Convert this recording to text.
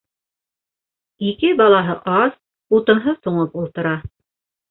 Ике балаһы ас, утынһыҙ туңып ултыра.